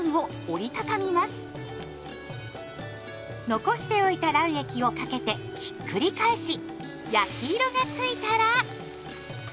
残しておいた卵液をかけてひっくり返し焼き色がついたら。